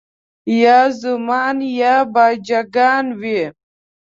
یا زومان یا باجه ګان وي